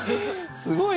すごい！